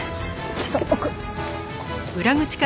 ちょっと奥。